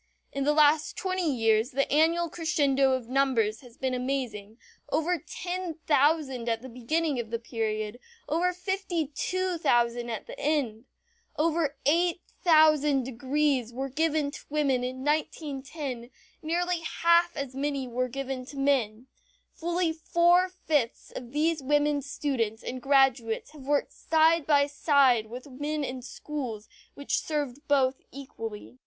In the last twenty years the annual crescendo of numbers has been amazing; over ten thousand at the beginning of the period, over fifty two thousand at the end. Over eight thousand degrees were given to women in 1910, nearly half as many as were given to men. Fully four fifths of these women students and graduates have worked side by side with men in schools which served both equally.